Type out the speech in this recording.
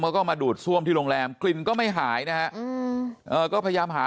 เขาก็มาดูดซ่วมที่โรงแรมกลิ่นก็ไม่หายนะฮะก็พยายามหา